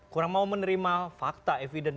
kurang mau menerima fakta evidence